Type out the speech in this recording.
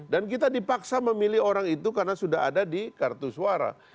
dan kita dipaksa memilih orang itu karena sudah ada di kartu suara